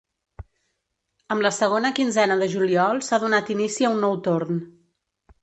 Amb la segona quinzena de juliol s’ha donat inici a un nou torn.